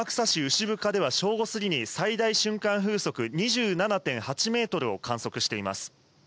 牛深では正午過ぎに、最大瞬間風速２７．８メートルを観測しています。